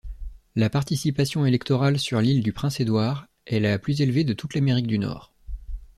La participation électorale sur l'Île-du-Prince-Édouard est la plus élevée de toute l'Amérique du Nord.